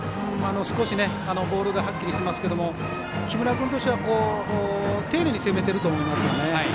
少し、ボールがはっきりしていますが木村君としては丁寧に攻めてると思いますよね。